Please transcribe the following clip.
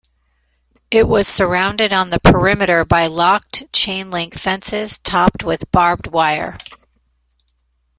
It was surrounded on the perimeter by locked, chain-link fences topped with barbed wire.